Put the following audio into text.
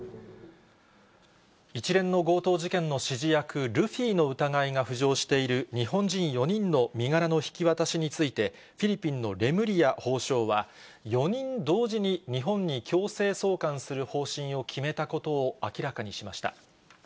一連の強盗事件の指示役、ルフィの疑いが浮上している、日本人４人の身柄の引き渡しについて、フィリピンのレムリヤ法相は、４人同時に日本に強制送還する方針を決めたことを明らかにしました。